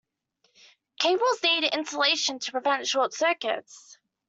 Cables need insulation to prevent short circuits.